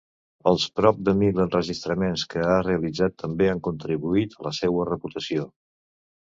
Els prop de mil enregistraments que ha realitzat també han contribuït a la seua reputació.